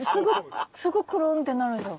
すぐクルンってなるじゃん。